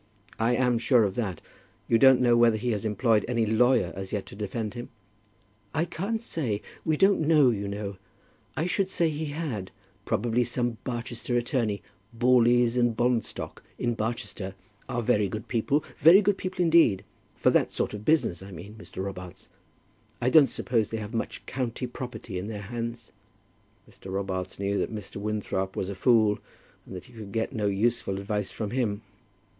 "I am sure of that. You don't know whether he has employed any lawyer as yet to defend him?" "I can't say. We don't know, you know. I should say he had, probably some Barchester attorney. Borleys and Bonstock in Barchester are very good people, very good people indeed; for that sort of business I mean, Mr. Robarts. I don't suppose they have much county property in their hands." Mr. Robarts knew that Mr. Winthrop was a fool, and that he could get no useful advice from him.